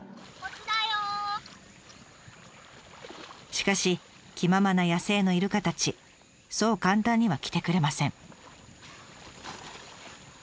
しかし気ままな野生のイルカたちそう簡単には来てくれません。